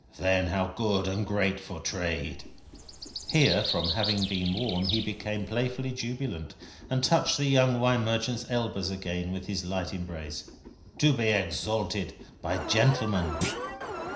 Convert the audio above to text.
Then how good and great for trade:" here, from having been warm, he became playfully jubilant, and touched the young wine merchant's elbows again with his light embrace: "to be exalted by gentlemen."